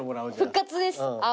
復活です青。